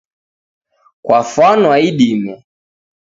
Kwafwanwa idime!